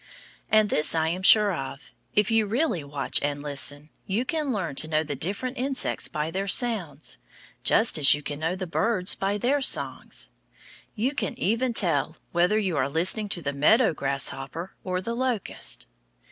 And this I am sure of; if you really watch and listen, you can learn to know the different insects by their sounds, just as you can know the birds by their songs. You can even tell whether you are listening to the meadow grasshopper, or the locust.